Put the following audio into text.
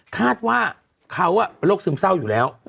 คาดว่าเขาเป็นโรคซึมเศร้าอยู่แล้ว